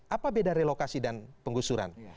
apa beda relokasi dan penggusuran